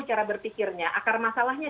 cara berpikirnya akar masalahnya